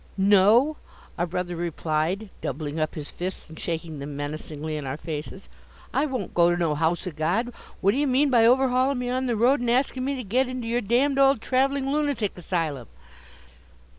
"No!" our brother replied, doubling up his fists and shaking them menacingly in our faces: "I won't go to no house o' God. What d'ye mean by overhauling me on the road, and askin' me to git into yer d d old traveling lunatic asylum?"